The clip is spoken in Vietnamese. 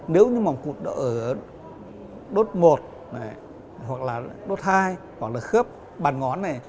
nếu như mỏng cụt độ ở đốt một hoặc là đốt hai hoặc là khớp bàn ngón này